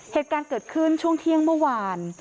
เหตุการณ์เกิดขึ้นช่วงเที่ยงเมื่อวาน